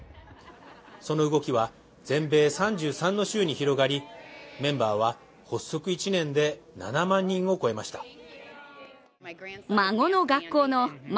その動きは、全米３３の州に広がり、メンバーは発足１年で７万人を超えました。